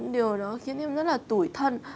điều đó khiến em rất là tủi thân